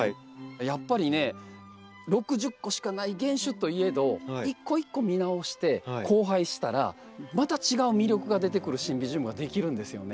やっぱりね６０個しかない原種といえど一個一個見直して交配したらまた違う魅力が出てくるシンビジウムができるんですよね。